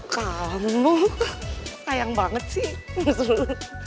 kamu sayang banget sih